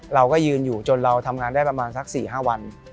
เราก็ยืนอยู่จนเราทำงานได้ประมาณสัก๔๕วัน